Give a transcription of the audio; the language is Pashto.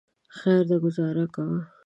خیر دی ګوزاره کوه.